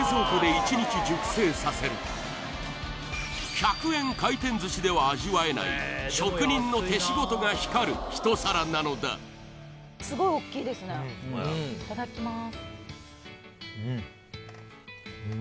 １００円回転寿司では味わえない職人の手仕事が光る一皿なのだスゴいおっきいですねいただきます